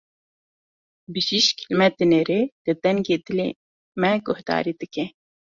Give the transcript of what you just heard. Bijîşk li me dinêre, li dengê dilê me guhdarî dike.